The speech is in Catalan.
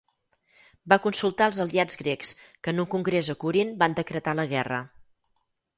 Va consultar als aliats grecs que en un congrés a Corint van decretar la guerra.